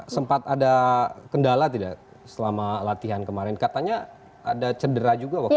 sempat ada kendala tidak selama latihan kemarin katanya ada cedera juga waktu itu